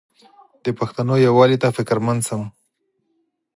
د پښتنو یووالي ته فکرمند شم.